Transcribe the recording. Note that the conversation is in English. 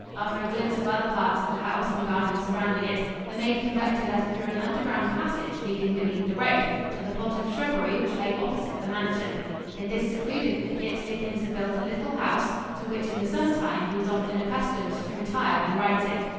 After a glimpse of other parts of the house and garden surrounding it, the maid conducted us through an underground passage leading beneath the road, to the plot of shrubbery which lay opposite the mansion. In this secluded thicket, Dickens had built a little house, to which in the summer time he was often accustomed to retire when writing.